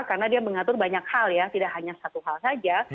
karena dia mengatur banyak hal ya tidak hanya satu hal saja